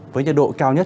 với nhiệt độ cao nhất